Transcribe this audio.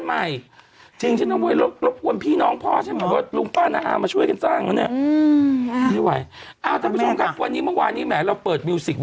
ไม่ต้องอึ้งถามกลับแล้วคุณแม่ค่ะจริงคะคนนั้นชื่ออะไรคะ